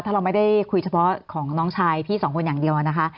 ถ้าเราไม่ได้คุยเฉพาะของน้องชายพี่สองคนอย่างเดียวนะคะ